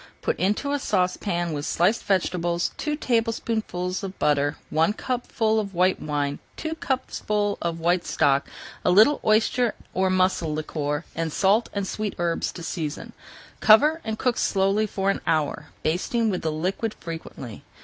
Put into a saucepan with sliced vegetables, two tablespoonfuls of butter, one cupful of white wine, two cupfuls of white stock, a little oyster or mussel liquor, and salt and sweet herbs to season. Cover and cook slowly for an hour, basting with the liquid frequently.